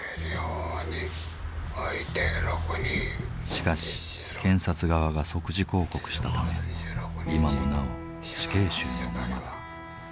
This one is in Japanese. しかし検察側が即時抗告したため今もなお死刑囚のままだ。